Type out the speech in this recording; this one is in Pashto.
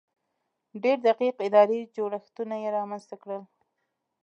ډېر دقیق اداري جوړښتونه یې رامنځته کړل.